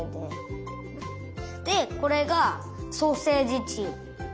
でこれがソーセージチーム。